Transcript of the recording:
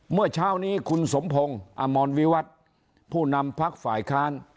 เมื่อเช้านี้คุณสมพงศ์อมรวิวัตรผู้นำพักฝ่ายค้าน